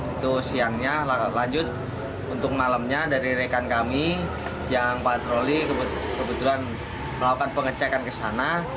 itu siangnya lanjut untuk malamnya dari rekan kami yang patroli kebetulan melakukan pengecekan ke sana